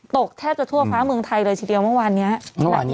แทบจะทั่วฟ้าเมืองไทยเลยทีเดียวเมื่อวานนี้